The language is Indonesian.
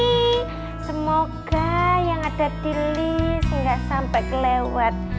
ini semoga yang ada di list nggak sampai kelewat